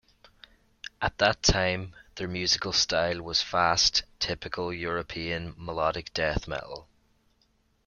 At that time, their musical style was fast, typical European melodic death metal.